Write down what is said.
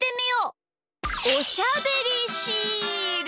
おしゃべりシール！